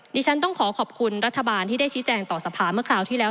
ดิฉันต้องขอขอบคุณรัฐบาลที่ได้ชี้แจงต่อสภาเมื่อคราวที่แล้ว